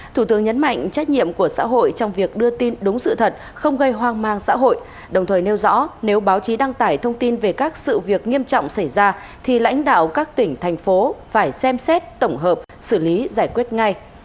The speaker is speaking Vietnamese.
thủ tướng nhấn mạnh trách nhiệm của xã hội trong việc đưa tin đúng sự thật không gây hoang mang xã hội đồng thời nêu rõ nếu báo chí đăng tải thông tin về các sự việc nghiêm trọng xảy ra thì lãnh đạo các tỉnh thành phố phải xem xét tổng hợp xử lý giải quyết ngay